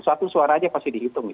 satu suara aja pasti dihitung